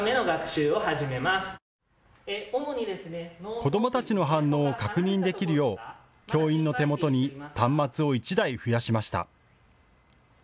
子どもたちの反応を確認できるよう教員の手元に端末を１台増やしました。